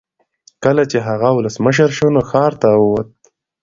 کله چې هغه ولسمشر شو نو ښار ته وووت.